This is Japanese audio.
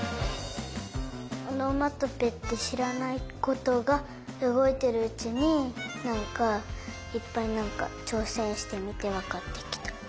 おのまとぺってしらないことがうごいてるうちになんかいっぱいちょうせんしてみてわかってきた。